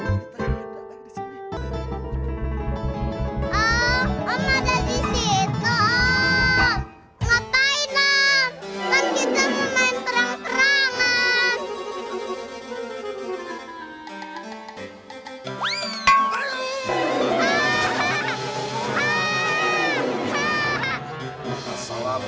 assalamualaikum warahmatullahi wabarakatuh